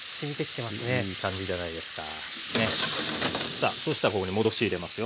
さあそうしたらここに戻し入れますよ。